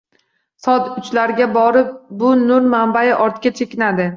Soat uchlarga borib bu nur manbayi ortga chekinadi